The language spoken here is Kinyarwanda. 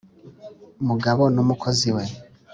mugabo n’umukozi we